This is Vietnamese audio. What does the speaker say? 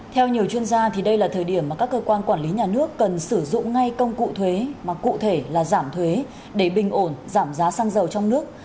theo nhiều chuyên gia đây là thời điểm mà các cơ quan quản lý nhà nước cần sử dụng ngay công cụ thuế mà cụ thể là giảm thuế để bình ổn giảm giá xăng dầu trong nước